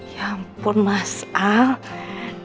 ya ampun mas al